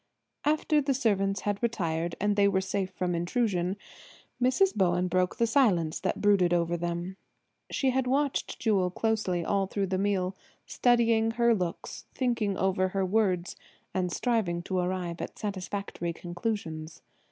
After the servants had retired and they were safe from intrusion Mrs. Bowen broke the silence that brooded over them. She had watched Jewel closely all through the meal, studying her looks, thinking over her words and striving to arrive at satisfactory conclusions.